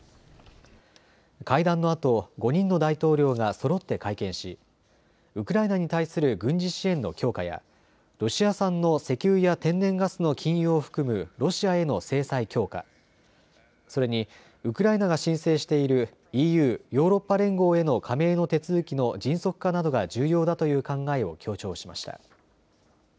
会談のあと５人の大統領がそろって会見し、ウクライナに対する軍事支援の強化やロシア産の石油や天然ガスの禁輸を含むロシアへの制裁強化、それにウクライナが申請しているＥＵ・ヨーロッパ連合への加盟の手続きの迅速化などが重要だという考えを強調しました。